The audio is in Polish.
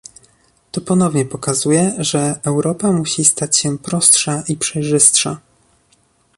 To ponownie pokazuje, że Europa musi stać się prostsza i przejrzystsza